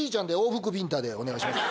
でお願いします。